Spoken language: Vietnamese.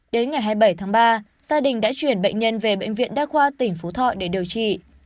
đến ngày hai mươi bảy tháng ba gia đình đã chuyển bệnh nhân về bệnh viện đa khoa tỉnh phú thọ để điều trị